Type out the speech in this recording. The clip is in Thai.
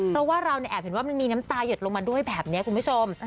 เพราะว่าเราแอบเห็นว่ามันมีน้ำตาหยดลงมาด้วยแบบนี้คุณผู้ชม